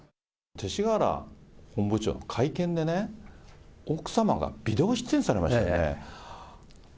勅使河原本部長の会見でね、奥様がビデオ出演されましたよね。